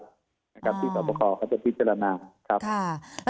สินต่อประคอเขาจะพิจารณา